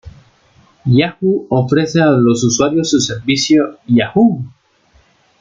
Yahoo ofrece a los usuarios su servicio Yahoo!